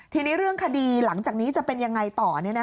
ทีนี้เรื่องคดีหลังจากนี้จะเป็นยังไงต่อ